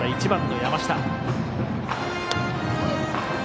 １番の山下。